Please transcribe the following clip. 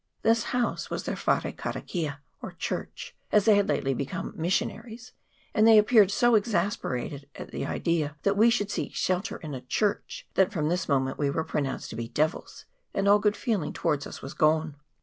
This house was their Ware Karakia, or church, as they had lately become " missionaries," and they appeared so exas perated at the idea that we should seek shelter in a church, that from this moment we were pro nounced to be " devils," and all good feeling to wards us was gone.